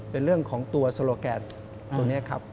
เป็นเรื่องของตัวโซโลแกนตัวนี้ครับ